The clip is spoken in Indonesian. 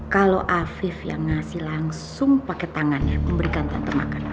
kalau afif yang ngasih langsung pakai tangannya memberikan contoh makanan